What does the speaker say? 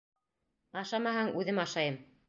— Ашамаһаң, үҙем ашайым.